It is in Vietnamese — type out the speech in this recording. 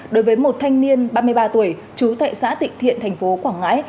đối với một thanh niên ba mươi ba tuổi chú thệ xã tịnh thiện thành phố quảng ngãi